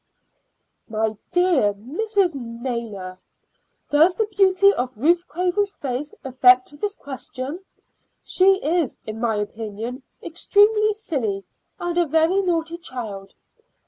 "My dear Mrs. Naylor, does the beauty of Ruth Craven's face affect this question? She is, in my opinion, extremely silly, and a very naughty child.